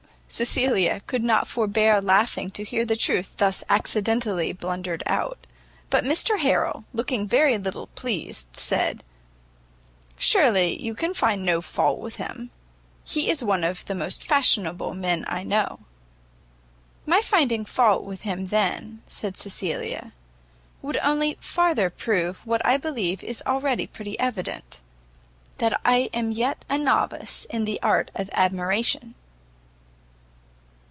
Cecilia could not forbear laughing to hear the truth thus accidentally blundered out; but Mr Harrel, looking very little pleased, said, "Surely you can find no fault with him? he is one of the most fashionable men I know." "My finding fault with him then," said Cecilia, "will only farther prove what I believe is already pretty evident, that I am yet a novice in the art of admiration."